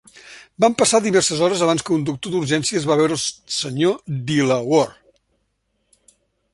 Van passar diverses hores abans que un doctor d'urgències va veure el Sr. Dilawar.